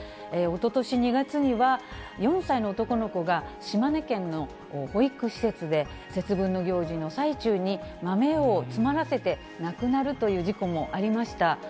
おととし２月には、４歳の男の子が島根県の保育施設で、節分の行事の最中に、豆を詰まらせて亡くなるという事故もありました。